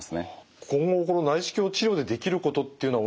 今後この内視鏡治療でできることっていうのは小野さん